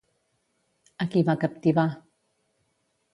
A qui va captivar?